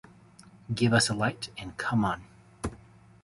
Give us a light and come on.